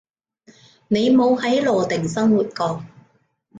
你冇喺羅定生活過